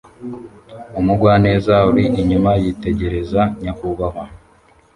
Umugwaneza uri inyuma yitegereza nyakubahwa